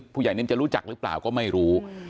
นิ่มจะรู้จักหรือเปล่าก็ไม่รู้